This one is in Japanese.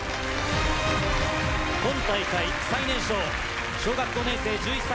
今大会最年少小学５年生１１歳。